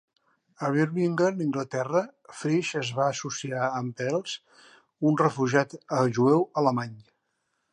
A Birmingham, Anglaterra, Frisch es va associar amb Peierls, un refugiat jueu alemany.